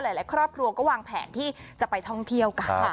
หลายครอบครัวก็วางแผนที่จะไปท่องเที่ยวกัน